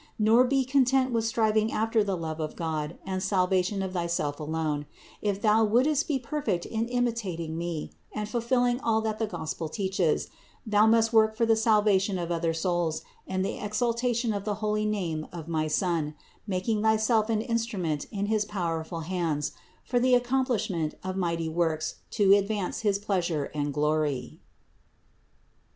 Nor be content with striving after the love of God and salvation of thyself alone; if thou wouldst be perfect in imitating me and fulfilling all that the Gospel teaches, thou must work for the salvation of other souls and the exaltation of the holy name of my Son, making thyself an instrument in his powerful hands for the accomplishment of mighty works to advance his pleasure and glory.